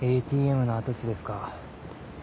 ＡＴＭの跡地ですか。